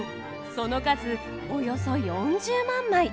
その数およそ４０万枚！